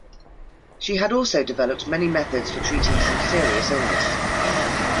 She had also developed many methods for treating some serious illness.